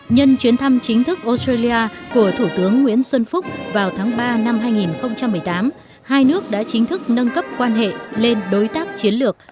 nhân chuyến thăm chính thức australia của thủ tướng nguyễn xuân phúc vào tháng ba năm hai nghìn một mươi tám hai nước đã chính thức nâng cấp quan hệ lên đối tác chiến lược